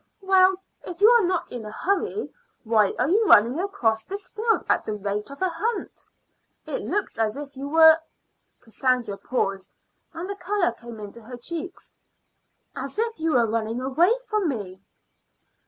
"Well, if you are not in a hurry, why are you running across this field at the rate of a hunt? It looks as if you were " Cassandra paused, and the color came into her cheeks "as if you were running away from me."